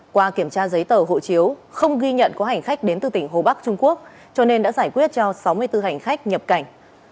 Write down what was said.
qua kiểm tra giấy tờ hộ chiếu không ghi nhận có hành khách đến từ tỉnh hồ bắc trung quốc cho nên đã giải quyết cho sáu mươi bốn hành khách nhập cảnh